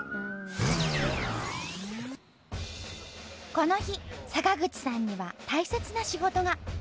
この日坂口さんには大切な仕事が。